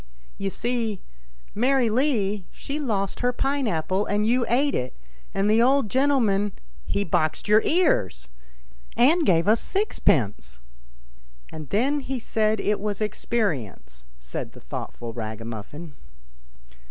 " You see, Mary Lee, she lost her pine apple and you ate it, and the old gentleman '" He boxed your ears !"" And gave us sixpence !" 60 ANYHOW STORIES. [STORY iv. "And then he said it was experience," said the thoughtful ragamuffin.